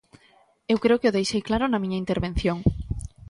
Eu creo que o deixei claro na miña intervención.